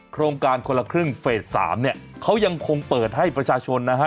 โครงการคนละครึ่งเฟส๓เนี่ยเขายังคงเปิดให้ประชาชนนะฮะ